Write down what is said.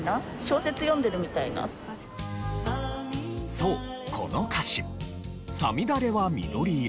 そうこの歌詞「五月雨は緑色」